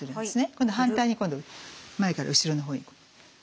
今度反対に前から後ろの方に。